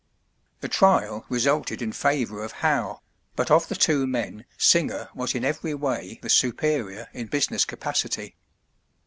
The trial resulted in favor of Howe, but of the two men Singer was in every way the superior in business capacity.